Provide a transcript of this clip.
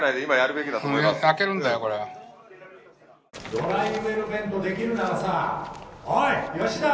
「ドライウェルベントできるならさおい吉田！」。